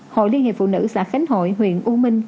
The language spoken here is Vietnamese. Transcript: hội liên hiệp phụ nữ xã khánh hội huyện u minh